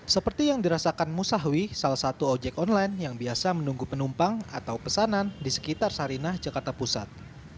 seperti yang dirasakan musawi salah satu ojek online yang biasa menunggu penumpang atau pesanan di sekitar sarinah jakarta pusat